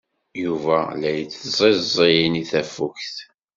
Yuba la yeẓẓiẓin i tafukt.